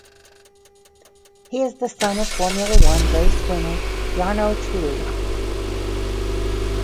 He is the son of Formula One race winner Jarno Trulli.